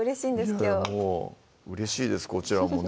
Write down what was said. きょううれしいですこちらもね